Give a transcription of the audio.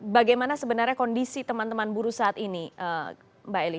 bagaimana sebenarnya kondisi teman teman buruh saat ini mbak eli